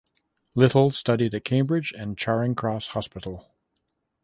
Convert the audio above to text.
Little studied at Cambridge and Charing Cross Hospital.